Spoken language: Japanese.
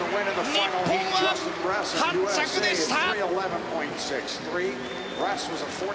日本は８着でした。